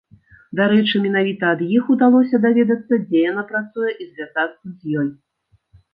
Дарэчы, менавіта ад іх удалося даведацца, дзе яна працуе і звязацца з ёй.